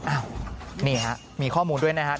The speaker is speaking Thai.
อ้าวนี่ฮะมีข้อมูลด้วยนะครับ